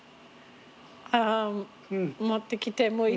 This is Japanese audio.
ああ持ってきてもう一回。